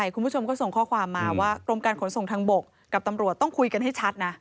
คุณผู้ชมก็ส่งข้อความมาว่ากรมการขนส่งทางบกกับตำรวจต้องคุยกันให้ชัดนะ